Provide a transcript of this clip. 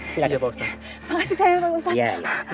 silahkan pak ustadz